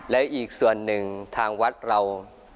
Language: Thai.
และอีกส่วนหนึ่งทางวัดเรา